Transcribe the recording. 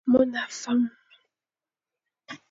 Mon a fam.